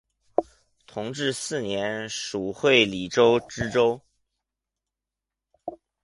同治四年署会理州知州。